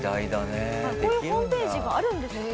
こういうホームページがあるんですって。